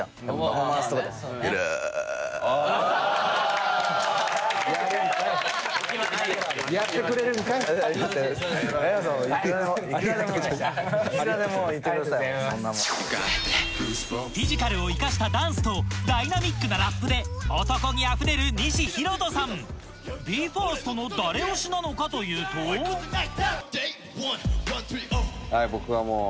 フィジカルを生かしたダンスとダイナミックなラップでおとこ気あふれるＢＥ：ＦＩＲＳＴの誰推しなのかというと僕はもう。